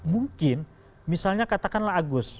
mungkin misalnya katakanlah agus